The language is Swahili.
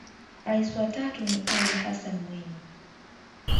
Rais wa tatu ni Ally Hassan Mwinyi